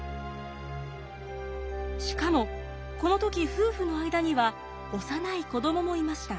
しかもこの時夫婦の間には幼い子供もいました。